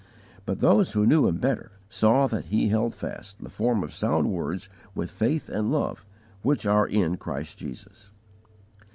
But those who knew him better, saw that he held fast the form of sound words with faith and love which are in Christ Jesus.